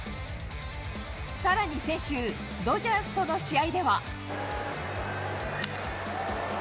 さらに先週、ドジャースとの試合では。